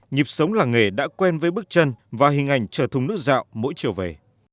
nhịp sống làng nghề đã quen với bước chân và hình ảnh chờ thùng nước dạo mỗi chiều về